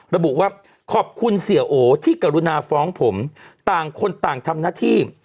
ระบุว่าขอบคุณเสียโอที่กรุณาฟ้องผมต่างคนต่างทำหน้าที่